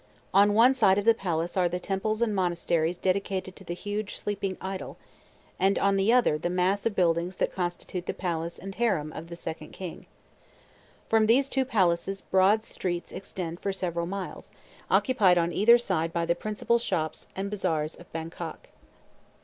On one side of the palace are the temples and monasteries dedicated to the huge Sleeping Idol, and on the other the mass of buildings that constitute the palace and harem of the Second King. From these two palaces broad streets extend for several miles, occupied on either side by the principal shops and bazaars of Bangkok.